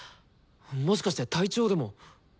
もしかして体調でも。